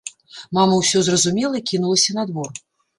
Мама ўсё зразумела і кінулася на двор.